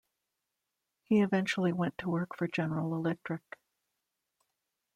He eventually went to work for General Electric.